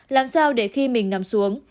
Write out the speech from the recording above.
làm sao để khi mình nằm xuống